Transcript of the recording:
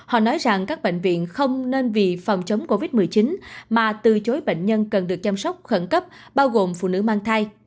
họ nói rằng các bệnh viện không nên vì phòng chống covid một mươi chín mà từ chối bệnh nhân cần được chăm sóc khẩn cấp bao gồm phụ nữ mang thai